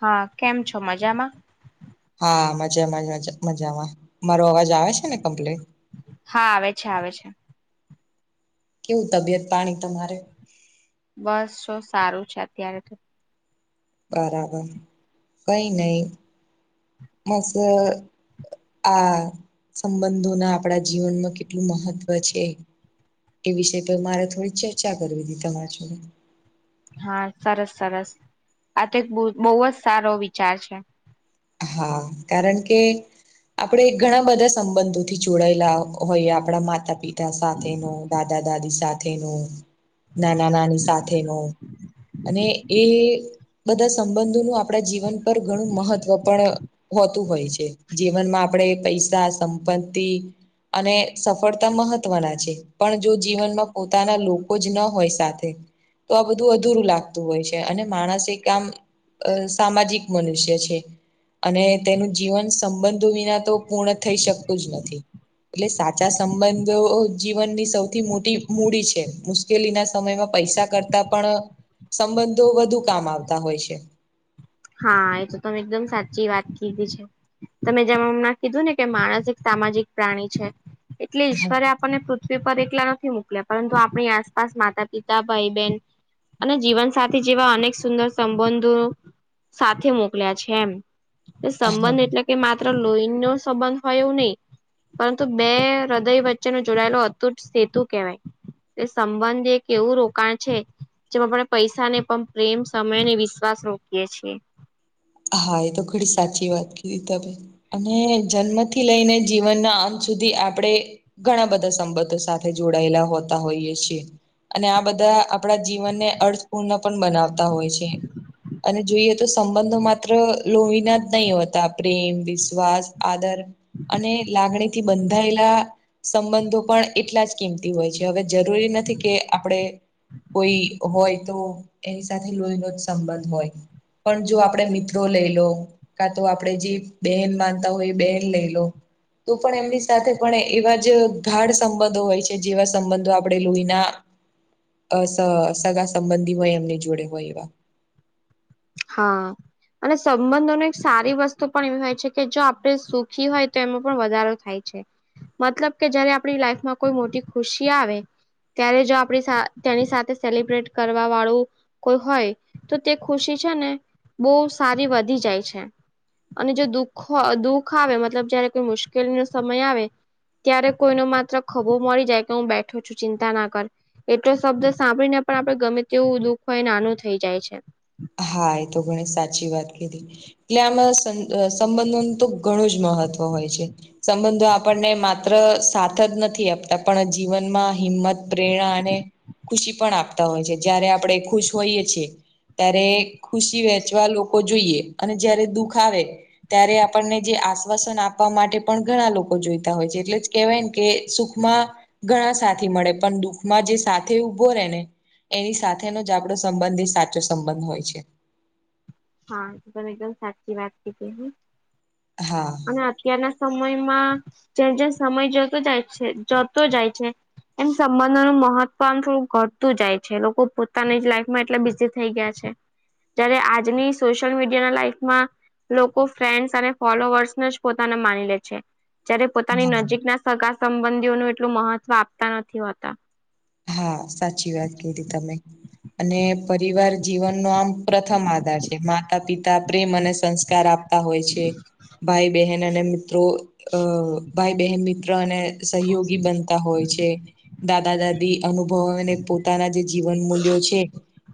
હા કેમ છો મજામાં? હા મજામાં મજામાં, મારો અવાજ આવે છે ને કમ્પ્લીટ? હા આવે છે આવે છે. કેવું તબિયત પાણી તમારે? બસ શ સારું છે અત્યારે તો. બરાબર, કઈ નઈ, મસ આ સંબંધોના આપડા જીવનમાં કેટલું મહત્વ છે. એ વિષ તો મારે થોડીક ચર્ચા કરવી હતીી તમારા જોડે. હા સરસ સરસ, આ તો એક બહુ જ સારો વિચાર છે. હા કારણ કે આપણેે ઘણા બધા સંબંધોથી જોડાયેલા હોઈએ આપણા માતા મા પિતા સાથેનો દાદા દાદી સાથેનો. નાના નાની સાથેનો, અને એ બધા સંબંધો નું આપણા જીવન પર ઘણું મહત્વ પણ હોતું હોય છે જીવનમાં આપણે પૈસા સંપત્તિ. અને સફળતા મહત્વના છે. પણ જો જીવનમાં પોતાના લોકો જ ન હોય સાથે. તો આ બધું અધુરું લાગતું હોય છે અને માણસ એ કામ અ સામાજિક મનુષ્ય છે. અને તેનું જીવન સંબંધો વિના તો પૂર્ણ થઈ શકતું જ નથી. એટલે સાચા સંબંધો જીવનની સૌથી મોટી મૂડી છે. મુકેલી ના સમયમાં પૈસા કરતા પણ, સંબંધો વધુ કામ આવતા હોય છે. હા એ તો તમે એકદમ સાચી વાત કીધી છે. તમે જમણા કીધું ને કે માણસ એક સામાજિક પ્રાણી છે એટલે હા ઈશ્વરે આપને પૃથ્વી પર એકલા નથી મોકલ્યા પરંતુ આપણી આસપાસ માતા પિતા ભાઈ બહેન અને જીવન સાથે જેવા અનેક સુંદર સંબંધો સાથે મોકલ્યા છે એમ હા. સંબંધ એટલે કે માત્ર લોહી નો સંબંધ હોય એવું નહીં. પરંતુ બે હૃદય વચ્ચેનો જોડાયેલો અતુટ સેતુ કહેવાય. તે સંબંધ એક એવું રોકાણ છે. જેમાં આપણે પૈસા ને પણ પ્રેમ સમય અને વિશ્વાસ રોકીએ છીએ. હા એ તો ઘડી સાચી વાત કીધી તમે અને જન્મથી લઈને જીવનના અંત સુધી આપણે ઘણા બધા સંબંધો સાથે જોડાયેલા હોતા હોઈએ છીએ. અને આ બધા આપણા જીવનને અર્થપૂર્ણ પણ બનાવતા હોય છે. અને જોઈએ તો સંબંધોમાં મા લોહીના જ નહી હોતા પ્રેમ વિશ્વાસ આદર અને લાગણી થી બંધાયેલા. સંબંધો પણ એટલા જ કિંમતી હોય છે હવે જરૂરી નથી કે આપણે કોઈ હોય તો એની સાથે લોહીનો જ સંબંધ હોય પણ જો આપણેે મિત્રો. લઈ લો કા તો આપણે જે બેન માનતા હોય એ બેન લઈ લો તો પણ એમની સાથે પણ એવા જ ગાઢ સંબંધો હોય છે જેવા સંબંધો આપણે લોહીના. અ સગા સંબંધીમાંય એમને જોડે હોય એવા. હા. અને સંબંધો ન એક સારી વસ્તુ પણ એવી હોય છે કે જો આપણે સુખી હોય તો એમાં પણ વધારો થાય. મતલબ કે જયારે આપડી લાઈફમાં કોઈ મોટી ખુશી આવે ત્યારે જો આપણી તેની સાથે સેલિબ્રેટ કરવા વાળું. કોઈ હોય તો તે ખુશી છે ને બહુ સારી વધી જાય છે. અને જો દુખ દુઃખ આવે મતલબ જયારે કોઈ મુશ્કેલીનો સમય આવે. ત્યારે કોઈ ન માત્ર ખભો મળી જાય કે હું બેઠું છું ચિંતા ના કર એટલો શબ્દ સાંભળીને પણ આપડે ગમે તેવું દુઃખ હોય નાનું થઇ જાય છે. હા એ તો ઘણી સાચી વાત કેલી એટલે આમાં સંબંધો નું તો ઘણું જ મહત્વ હોય છે. સંબંધો આપણને માત્ર સા જ નથી આપતા પણ જીવનમાં હિંમત પ્રેરણા અને ખુશી પણ આપતા હોય છે જયારે આપણે ખુશ હોઈએ છીએ ત્યારે ખુશી વેચવા લોકો જોઈએ અને જયારે દુઃખ આવે. ત્યારે આપણને જે આશ્વાસન આપવા માટે પણ ઘણા લોકો જોઈતા હોય છે એટલે કેવાય કે સુખમાં ઘણા સા મળે પણ દુઃખમાં જે સાથે ઉભો રહેે ને એની સાથેનો જ આપડો સંબંધ એ સાચો સંબંધ હોય છે. હા તું પણ એકદમ સાચી વાત કીધી હો. હા. અને અત્યારના સમયમાં જેમ જેમ સમય જતો જાય છે જતો જાય છે. એમ સંબંધોનું મહત્વ આમ થોડું ઘટતું જાય છે લોકો પોતાની જ લાઈફમાં એટલા બીઝી થઈ ગયા છે. જય્યારે આજની સોશિયલ મીડિયા ના લાઈફમાં લોકો ફ્રેન્ડસ અને ફોલોઅર્સને જ પોતાના માની લે છે. જયારે પોતાની હા નજીકના સગા સંબંધીઓનું એટલું મહત્વ આપતા નથી હોતા. હા, સાચી વાત કીધી તમે. અને પરિવાર જીવનનો આમ પ્રથમ આધાર છે, માતા, પિતા, પ્રેમ, અને સંસ્કાર આપ તા હોય છે, ભાઈ, બહેન અને મિત મિત્રો અ ભાઈ બહેન મિત્ર અને સહયોગી બનતા હોય છે. દાદા દાદી અનુભવ અને પોતાના જે જીવન મૂલ્યો છે.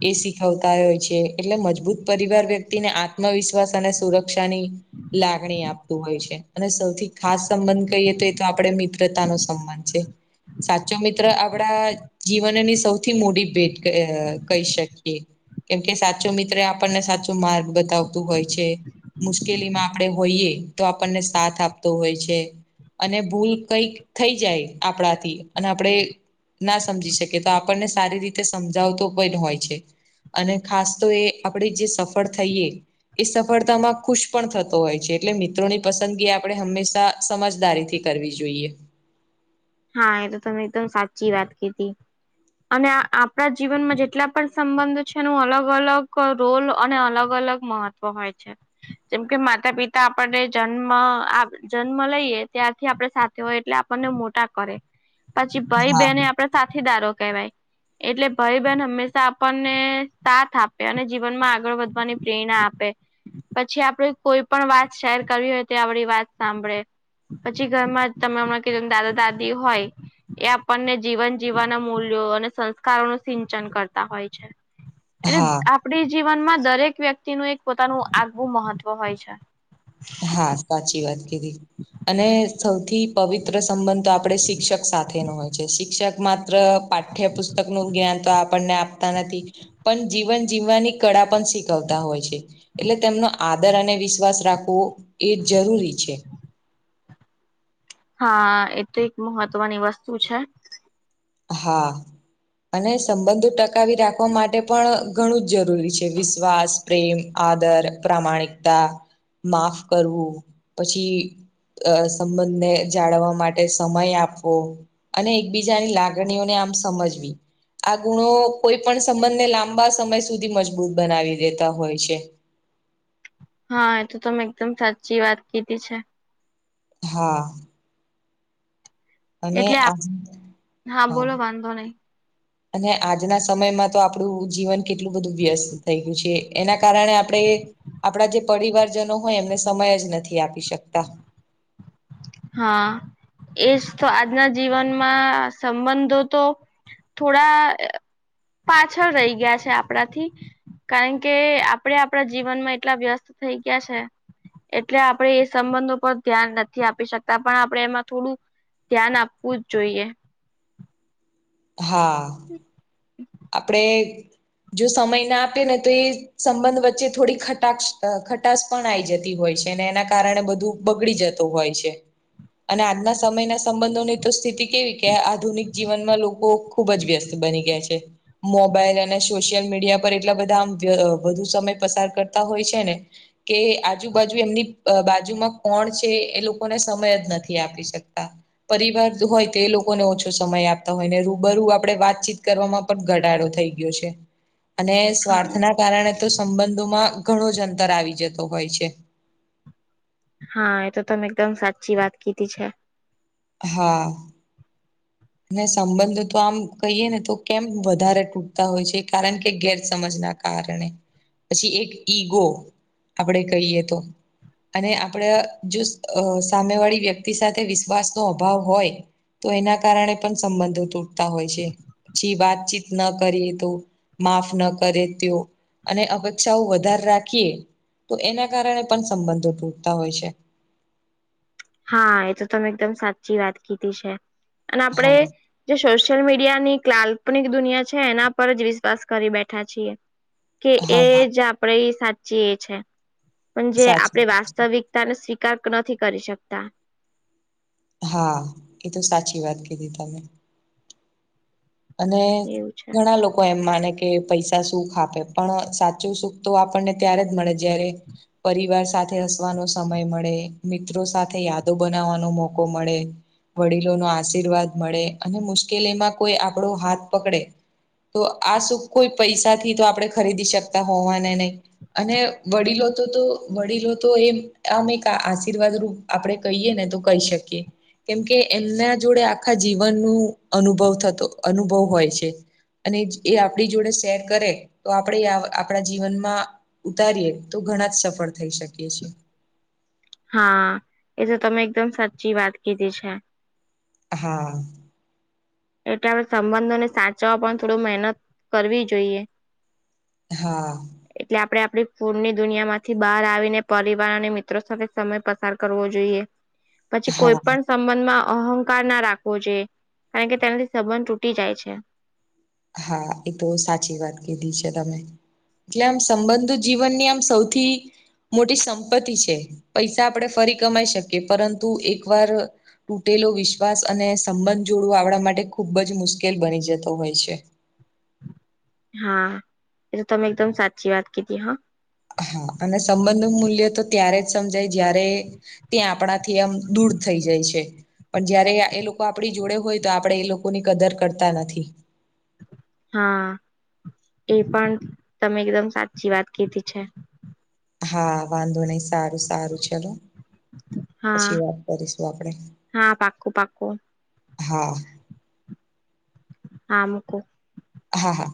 એ શીખવતા હોય છે એટલે મજબૂત પરિવાર વ્યક્તિને આત્મવિશ્વાસ અને સુરક્ષાની લાગણી આપતું હોય છે અને સૌથી ખાસ સંબંધ કહીએ તો એ તો આપણે મિત્રતા નો સંબંધ છે. સાચો મિત્ર અહ પડા જીવનની સૌથી મોટી ભેટ ક અહ કહી શકીએ. કેમકે સાચો મિત્ર આપણને સાચું માર્ગ બતાવતું હોય છે. મુશ્કેલીમાં આપણે હોઈએ તો આપણને સાથ આપતો હોય છે. અને ભૂલ કંઈક થઈ જાય આપણાથી, અને આપણે ના સમજી શકે તો આપણને સારી રીતે સમજાવતો [unintelligible] હોય છે. અને ખાસ તો એ આપણે જે સફળ થઈએ એ સફળતામાં ખુશ પણ થતો હોય છે, એટલે મિત્રોની પસંદગી આપણે હંમેશા સમજદારીથી કરવી જોઈએ. હા, એ તો તમે એકદમ સાચી વાત કીધી. અને આપણા જીવનમાં જેટલા પણ સંબંધો છે, એનું અલગ-અલગ રોલ અને અલગ-અલગ મહત્વ હોય છે, જેમ કે માતા પિતા આપણને જન્મ આપ જન્મ લઈએ, ત્યારથી આપડે સાથે હોય એટલે આપણને મોટા કરે, પછી ભઈ હા બહેને આપણેે સાથીદારો કહેવાય એટલે ભઈ બહેન હંમેશા આપણને સાથ આપે, અને જીવનમાં આગળ વધવાની પ્રેરણા આપે. પછી આપડી કોઈ પણ વાત શેર કરવી હોય તો એ આપડી વાત સાંભળે. પછી ઘરમાં તમે હમણાં કીધું દાદા દાદી હોય એ આપણને જીવન જીવવાના મૂલ્યો અને સંસ્કારો નું સિંચન કરતા હોય છે. એટલે હા આપડે જીવનમાં દરેક વ્યક્તિનું એક પોતાનું આગવું મહત્વ હોય છે. હા, સાચી વાત કીધી. અને સૌથી પવિત્ર સંબંધ તો આપણે શિક્ષક સાથે નો હોય છે. શિક્ષક માત્ર પાઠ ઠ્યપુસ્તક નું જ્ઞાન તો આપણને આપતા નથી પન જીવન જીવવાની કળા પણ શીખવતા હોય છે. એટલે તેમનો આદર અને વિશ્વાસ રાખવો એ જ જરૂરી છે. હા, એ તો એક મહત્વની વસ્તુ છે. હા. અને સંબંધો ટકાવી રાખવા માટે પણ ઘણું જ જરૂરી છે, વિશ્વાસ પ્રેમ, આદર, પ્રામાણિકતા, માફ કરવું, પછી અહ સંબંધને જાળવવા માટે સમય આપવો, અને એકબીજાની લાગ ણીઓને આમ સમજવી આ ગુણો કોઈ પણ સંબંધને લાંબા સમય સુધી મજબૂત બનાવી દેતા હોય છે. હા, એ તો તમે એકદમ સાચી વાત કીધી છે. હા. અને એટલે આપ આમ હા બોલો વાંધો નહી અને આજના સમયમાં તો આપણું જીવન કેટલું બધું વ્યસ્ત થઈ ગયું છે, એના કારણે આપણે આપણા જે પરિવારજનો હોય એમને સમય જ નથી આપી શકતા. હા, એજ તો. આજના જીવનમાં સંબંધો તો થોડા પાછળ રહી ગયા છે આપણાથી. કારણ કે આપડે આપડા જીવનમાં એટલા વ્યસ્ત થઇ ગયા છે એટલે આપણે એ સંબંધો પર ધ્યાન નથી આપી શક તા, પણ આપણે એમાં થોડું ધ્યાન આપવું જ જોઈએ. હા. [inaudible] આપણેે જો સમય ના આપીએ ને તો એ સંબંધ વચ્ચે થોડી ખટાક્ષ ખટાસ પણ આઈ જતી હોય છે અનેને એના કારણે બધું બગડી જતું હોય છે. અને આજના સમયના સંબંધોની તો સ્થિતિ કેવી કે આધુનિક જીવનમાં લોકો ખુબ જ વ્યસ્ત બની ગયા છે. મોબાઈલ અને સોશિયલ મીડિયા પર એટલા બધા આમ વ્ય અહ વધુ સમય પસાર કરતા હોય છે ને. કે આજુબાજુ એમની બાજુમાં કોણ છે, એ લોકોને સમય જ નથી આપી શકતા. પરિવાર હોય તો એ લોકોને ઓછો સમય આપતા હોય ને રૂબરૂ આપણે વાતચીત કરવામાં પણ ઘટાડો થઈ ગયો છે અને હા સ્વાર્થના કારણે તો સંબંધોમાં ઘણો જ અંતર આવી જતો હોય છે. હા એ તો તમે એકદમ સાચી વાત કીધી છે. હા. સંબંધો તો આમ કહીએ ને તો કેમ વધારે તૂટતા હોય છે કારણ કે ગેરસમજના કારણે પછી એક ઈગો આપણેે કહીએ તો અને આપણે જો સામે વાળી વ્યક્તિ સાથે વિશ્વાસનો અભાવ હોય તો એના કારણે પણ સંબંધો તૂટતા હોય છે. પછી વાતચીત ન કરીએ તો માફ ન કરે તો અને અપેક્ષાઓ વધારે રાખીએ તો એના કારણે પણ સંબંધો તૂટતા હોય છે. હા એ તો તમે એકદમ સાચી વાત કીધી છે અને આપડે હા જે સોશિયલ મીડિયાની કાલ્પનિક દુનિયા છે એના પર જ વિશ્વાસ કરી બેઠા છે. કે એ હા હા જ આપણેે સાચી એ છે પણ જે સાચી આપણે વાત છે વાસ્તવિક તનો સ્વીકાર નથી કરી શકતા. હા એ તો સાચી વાત કીધી તમે અને એવું છે ઘણા લોકો એમ માને કે પૈસા સુખ આપે પણ સાચું સુખ તો આપણને ત્યારે જ મળે જ્યારે પરિવાર સાથે હસવાનો સમય મળે મિત્રો સાથે યાદો બનાવવાનો મોકો મળે. વડીલોનો આશીર્વાદ મળે અને મુશ્કેલીમાં કોઈ આપડો હાથ પકડે તો આ શુ કોઈ પૈસા થી તો આપણે ખરીદી શકતા હોવાને નહી. અને વડીલો તો તો વડીલો તો એમ આમ એક આશીર્વાદ રૂપ આપડે કહીએ ને તો કહી શકીએ. કેમકે એમના જોડે આખા જીવનનું અનુભવ થતો. અનુભવ હોય છે અને એ આપણી જોડે શેર કરે તો આપણે આપણા જીવનમાં ઉતારીએ તો ઘણા જ સફળ થઈ શકીએ છે. હા એ તો તમે એકદમ સાચી વાત કીધી છે. હા. એટલે આપણે સંબંધોને સાચવવા પણ થોડું મહેનત કરવી જોઈએ. હા. એટલે આપડે આપડી ફોનની દુનિયામાંથી બહાર આવીને પરિવાર અને મિત્રો સાથે સમય પસાર કરવો જોઈએ. [inaudible] પછી કોઈ પણ સંબંધમાં અહંકારના રાખવો જોઈએ. કારણ કે તેનાથી સંબંધ તૂટી જાય છે. હા એ તો સાચી વાત કીધી છે તમે એટલે આમ સંબંધ જીવનની આમ સૌથી મોટી સંપત્તિ છે પૈસા આપણે ફરી કમાઈ શકીએ પરંતુ એકવાર તૂટેલો વિશ્વાસ અને સંબંધ જોડવો આવડા માટે ખુબ જ મુશ્કેલ બની જતો હોય છે. હા એ તો તમે એકદમ સાચી વાત કીધી હા. હા અને સંબંધ ન મૂલ્ય તો ત્યારે જ સમજાય જ્યારે તે આપણાથી આમ દૂર થઈ જાય છે. પણ જયારે એ લોકો આપણી જોડે હોય તો આપડે એ લોકોની કદર કરતા નથી. હા એ પણ તમે એકદમ સાચી વાત કીધી છે. હા વાંધો નહીિ સારું સારું ચલો પછી હા વાત કરીશું આપણેે હા પાક્કું પાક્કું હા. હામક હા હા.